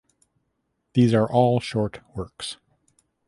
These are all short works.